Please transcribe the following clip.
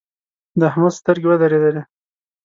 د احمد سترګې ودرېدلې.